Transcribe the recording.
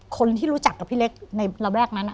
คนที่รู้จักกับพี่เล็กในระแวกนั้น